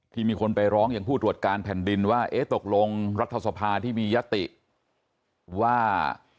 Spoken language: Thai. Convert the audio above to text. มีคนไปร้องอย่างผู้ตรวจการแผ่นดินว่าเอ๊ะตกลงรัฐสภาที่มียติว่า